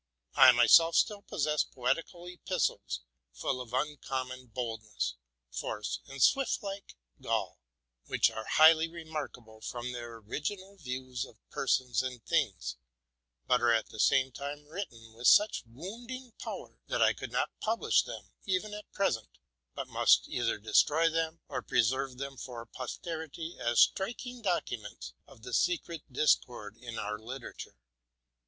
I myself still possess poetical epistles, full of uncommon boldness, force, and Swift like gall, which are highly remarkable from their original views of persons and things, but are at the same time written with such wounding power, that I could 100 TRUTH AND FICTION not publish them, even at present, but must either destroy them, or preserve them for posterity as striking documents of the secret discord in our literature.